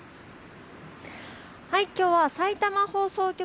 きょうはさいたま放送局